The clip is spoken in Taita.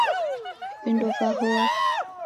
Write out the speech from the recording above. Vindo vahoa